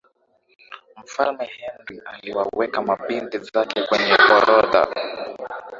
mfalme henry aliwaweka mabinti zake kwenye orodha